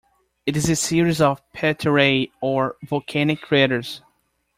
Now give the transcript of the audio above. It is a series of paterae, or volcanic craters.